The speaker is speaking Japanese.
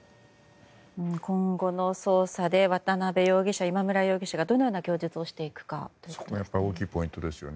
今後の捜査で渡邉容疑者、今村容疑者がどのような供述をしていくかですね。